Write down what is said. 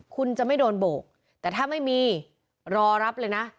คุณจะไม่โดนโบกแต่ถ้าไม่มีรอรับเลยนะ